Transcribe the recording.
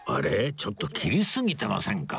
ちょっと切りすぎてませんか？